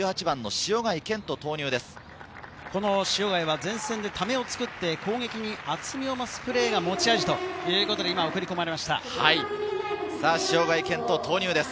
塩貝は前線でためを作って攻撃に厚みを増すプレーが持ち味ということです。